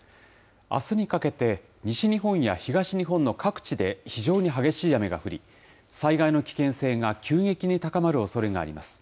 あすにかけて、西日本や東日本の各地で非常に激しい雨が降り、災害の危険性が急激に高まるおそれがあります。